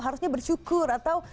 harusnya bersyukur atau